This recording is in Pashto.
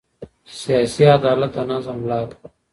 سیاسي عدالت د نظام ملا ده